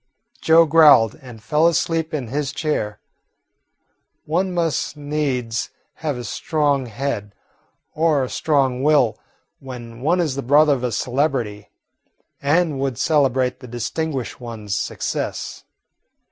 Joe growled and fell asleep in his chair. One must needs have a strong head or a strong will when one is the brother of a celebrity and would celebrate the distinguished one's success.